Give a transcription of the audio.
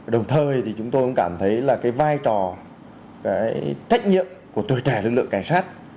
đồng thời thì chúng tôi cũng cảm thấy là cái vai trò cái trách nhiệm của tuổi trẻ lực lượng cảnh sát